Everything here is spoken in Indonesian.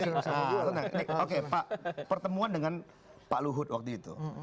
oke pak pertemuan dengan pak luhut waktu itu